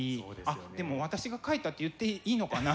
あっでも私が描いたって言っていいのかな？